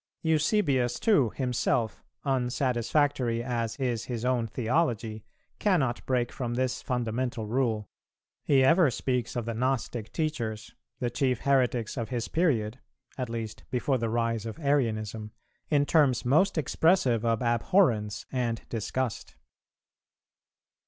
Eusebius too himself, unsatisfactory as is his own theology, cannot break from this fundamental rule; he ever speaks of the Gnostic teachers, the chief heretics of his period (at least before the rise of Arianism), in terms most expressive of abhorrence and disgust.